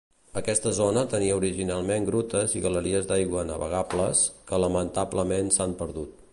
Aquesta zona tenia originalment grutes i galeries d'aigua navegables, que lamentablement s'han perdut.